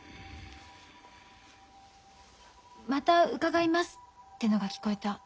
「また伺います」ってのが聞こえた。